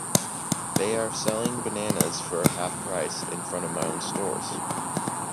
They're selling bananas for half price in front of my own stores.